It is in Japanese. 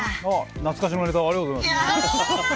懐かしのネタありがとうございます。